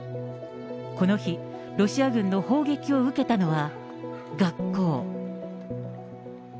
この日、ロシア軍の砲撃を受けたのは学校。